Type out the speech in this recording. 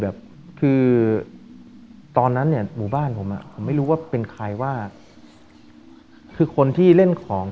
แบบคือตอนนั้นเนี่ยหมู่บ้านผมอ่ะผมไม่รู้ว่าเป็นใครว่าคือคนที่เล่นของ